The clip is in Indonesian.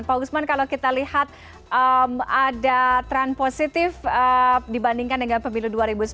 pak usman kalau kita lihat ada tren positif dibandingkan dengan pemilu dua ribu sembilan belas